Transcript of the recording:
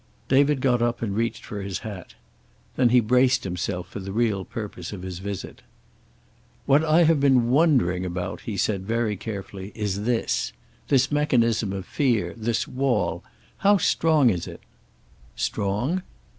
David got up and reached for his hat. Then he braced himself for the real purpose of his visit. "What I have been wondering about," he said, very carefully, "is this: this mechanism of fear, this wall how strong is it?" "Strong?"